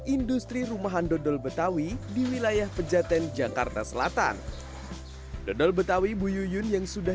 industri rumahan dodol betawi di wilayah pejaten jakarta selatan dodol betawi bu yuyun yang sudah